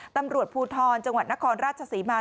ตำรวจภูทรจังหวัดนครราชศรีมา